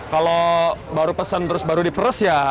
kalau baru pesen terus baru diperes ya